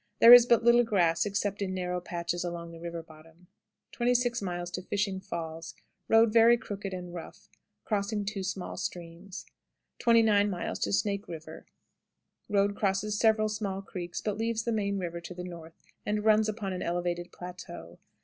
There is but little grass except in narrow patches along the river bottom. 26. Fishing Falls. Road very crooked and rough, crossing two small streams. 29. Snake River. Road crosses several small creeks, but leaves the main river to the north, and runs upon an elevated plateau.